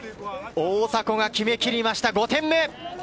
大迫が決めきりました、５点目。